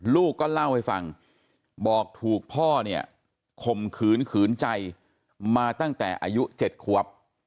ลูกก็เล่าให้ฟังบอกถูกพ่อเนี่ยข่มขืนขืนใจมาตั้งแต่อายุ๗ควบ